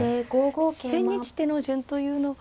千日手の順というのは。